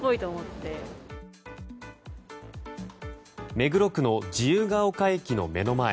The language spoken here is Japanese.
目黒区の自由が丘駅の目の前。